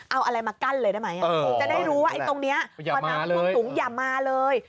เอาอะไรมากั้นเลยได้ไหมจะได้รู้ว่าไอ้ตรงนี้พอน้ำท่วมสูงอย่ามาเลย